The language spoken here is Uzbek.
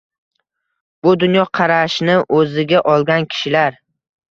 Bu dunyoqarashni o‘ziga olgan kishilar